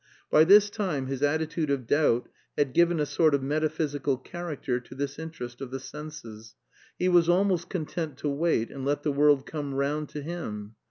By this time his attitude of doubt had given a sort of metaphysical character to this interest of the senses; he was almost content to wait and let the world come round to him.